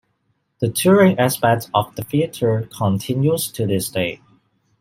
The touring aspect of the theatre continues to this day.